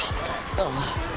ああ。